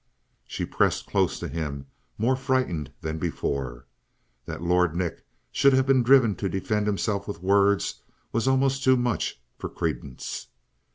She pressed close to him, more frightened than before. That Lord Nick should have been driven to defend himself with words was almost too much for credence.